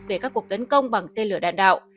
về các cuộc tấn công bằng tên lửa đạn đạo